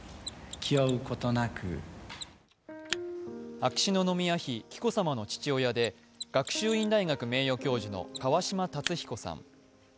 秋篠宮妃・紀子さまの父親で学習院大学名誉教授の川嶋辰彦さん。